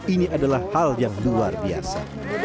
ini adalah hal yang luar biasa